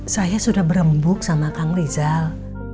saya sudah berembuk sama kang rizal